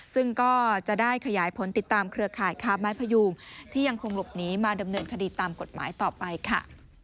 ซึ่งก็จะได้ขยายผลติดตามเครือข่ายค้าไม้พยูงที่ยังคงหลบหนีมาดำเนินคดีตามกฎหมายต่อไปค่ะ